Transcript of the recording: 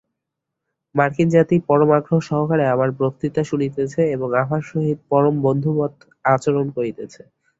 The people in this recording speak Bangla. মার্কিন জাতি পরম আগ্রহ সহকারে আমার বক্তৃতা শুনিতেছে এবং আমার সহিত পরমবন্ধুবৎ আচরণ করিতেছে।